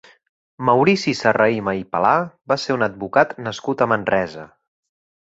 Maurici Serrahima i Palà va ser un advocat nascut a Manresa.